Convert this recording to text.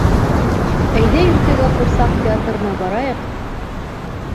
Әйҙә иртәгә ҡурсаҡ театрына барайыҡ?